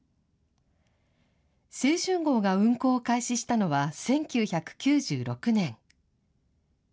青春号が運行を開始したのは１９９６年。